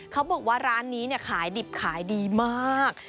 เขาบอกว่าร้านนี้ขายดิบขายดีมาก